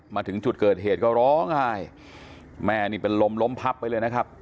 มาถึงจุดเกิดเหตุก็ร้องไห้แม่นี่เป็นลมล้มพับไปเลยนะครับ